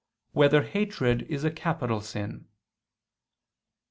5] Whether Hatred Is a Capital Sin?